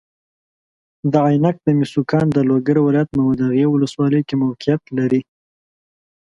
د عینک د مسو کان د لوګر ولایت محمداغې والسوالۍ کې موقیعت لري.